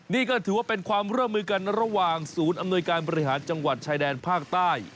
นี่ก็ถือว่าเป็นความร่วมมือกันระหว่างศูนย์อำนวยการบริหารจังหวัดชายแดนภาคใต้